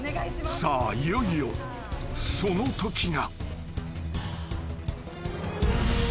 ［さあいよいよそのときが］